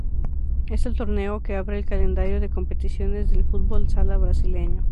Es el torneo que abre el calendario de competiciones del Fútbol Sala Brasileño.